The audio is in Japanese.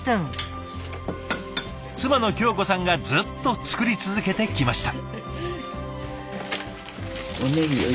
妻の京子さんがずっと作り続けてきました。